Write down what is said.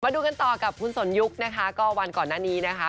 ดูกันต่อกับคุณสนยุคนะคะก็วันก่อนหน้านี้นะคะ